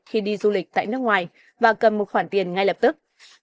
khi đi du lịch tại nước ngoài và cầm một khoản tiền ngay lập tức